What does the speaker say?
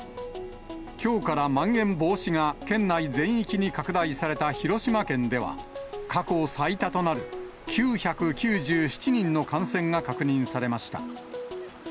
きょうからまん延防止が県内全域に拡大された広島県では、過去最多となる９９７人の感染が確認されました。